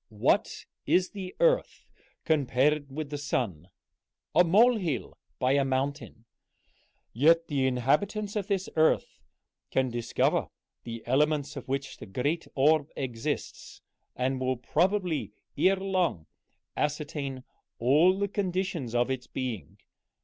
What is the earth compared with the sun? a molehill by a mountain; yet the inhabitants of this earth can discover the elements of which the great orb consists, and will probably ere long ascertain all the conditions of its being.